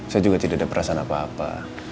saya juga tidak ada perasaan apa apa